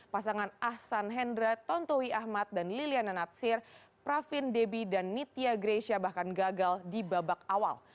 pasangan ahsan hendra tontowi ahmad dan liliana natsir pravin debbie dan nitya gresha bahkan gagal di babak awal